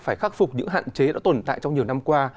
phải khắc phục những hạn chế đã tồn tại trong nhiều năm qua